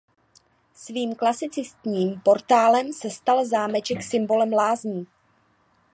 Svým klasicistním portálem se stal zámeček symbolem lázní.